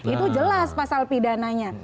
itu jelas pasal pidananya